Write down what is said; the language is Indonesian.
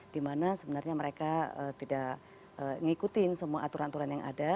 dimana sebenarnya mereka tidak ngikutin semua aturan aturan yang ada